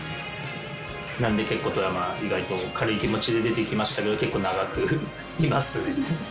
なので結構富山意外と軽い気持ちで出てきましたけど結構長くいますね。